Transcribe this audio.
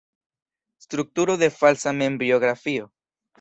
Strukturo de falsa membiografio.